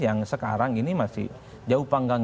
yang sekarang ini masih jauh panggang